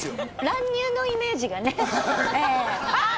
乱入のイメージがねああっ！